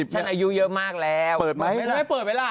ฉันอายุเยอะมากแล้ว